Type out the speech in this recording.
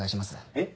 えっ？